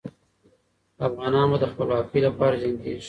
افغانان به د خپلواکۍ لپاره جنګېږي.